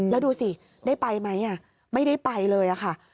แล้วดูสิได้ไปไหมไม่ได้ไปเลยค่ะ